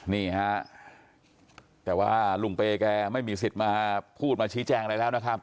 นี่ฮะแต่ว่าลุงเปย์แกไม่มีสิทธิ์มาพูดมาชี้แจงอะไรแล้วนะครับ